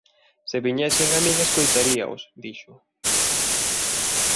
Se viñesen a min escoitaríaos", dixo.